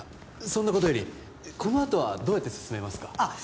そんなことよりこのあとはどうやって進めますかあっ